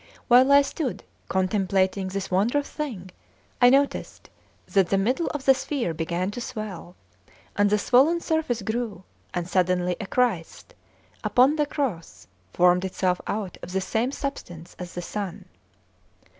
While I stood contemplating this wondrous thing, I noticed that the middle of the sphere began to swell, and the swollen surface grew, and suddenly a Christ upon the cross formed itself out of the same substance as the sun.